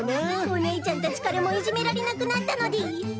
おねいちゃんたちからもいぢめられなくなったのでぃす。